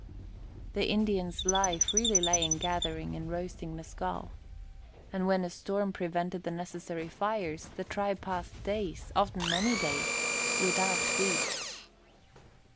The Indian's life really lay in gathering and roasting mescal. And when a storm prevented the necessary fires, the tribe passed days, often many days, without food.